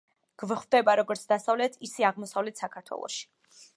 გვხვდება როგორც დასავლეთ ისე აღმოსავლთ საქართველოში.